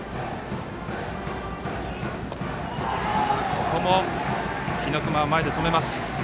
ここも日隈は前で止めます。